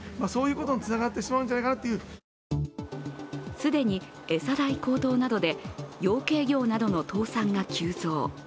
既に餌代高騰などで養鶏業などの倒産が急増。